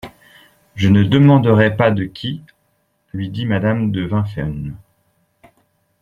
Je ne demanderai pas de qui, lui dit madame de Wimphen.